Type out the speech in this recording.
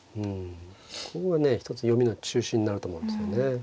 ここがね一つ読みの中心になると思うんですよね。